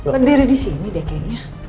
berdiri di sini deh kayaknya